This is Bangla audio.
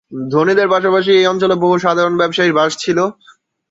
ধনীদের পাশাপাশি এই অঞ্চলে বহু সাধারণ ব্যবসায়ীর বাস ছিল।